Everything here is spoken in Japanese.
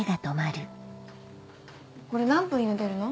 これ何分ゆでるの？